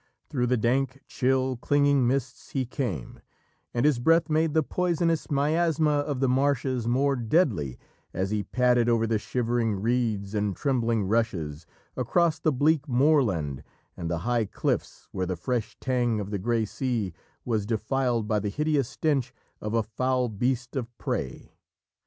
Through the dank, chill, clinging mists he came, and his breath made the poisonous miasma of the marshes more deadly as he padded over the shivering reeds and trembling rushes, across the bleak moorland and the high cliffs where the fresh tang of the grey sea was defiled by the hideous stench of a foul beast of prey.